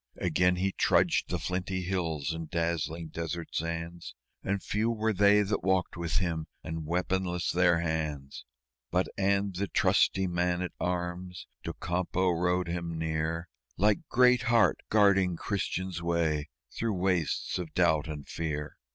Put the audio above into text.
Again he trudged the flinty hills and dazzling desert sands, And few were they that walked with him, and weaponless their hands But and the trusty man at arms, Docampo, rode him near Like Great Heart, guarding Christian's way through wastes of Doubt and Fear.